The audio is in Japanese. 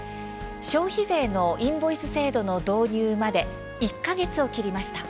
消費税のインボイス制度の導入まで１か月を切りました。